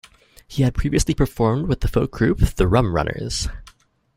He had previously performed with the folk group the Rum Runners.